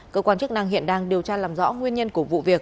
cơ quan chức năng hiện đang điều tra làm rõ nguyên nhân của vụ việc